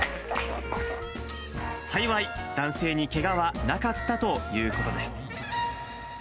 幸い、男性にけがはなかったということです。